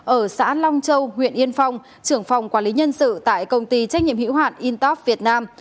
ở xã long châu huyện yên phong trưởng phòng quản lý nhân sự tại công ty trách nhiệm hữu hạn intop việt nam